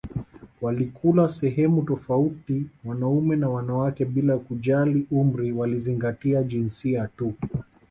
Walikula sehemu tofauti wanaume na wanawake bila kujali umri walizingatia jinsia tu